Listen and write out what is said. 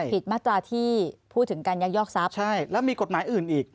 ผิดมาตราที่พูดถึงการยักยอกทรัพย์ใช่แล้วมีกฎหมายอื่นอีก